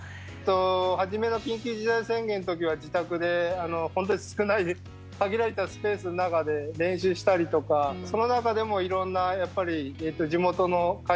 初めの緊急事態宣言の時は自宅で本当に少ない限られたスペースの中で練習したりとかその中でもいろんなやっぱり地元の会場を借りたりとか。